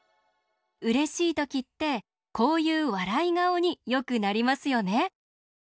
うれしいときってこういうわらいがおによくなりますよね。